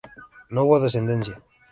No hubo descendencia.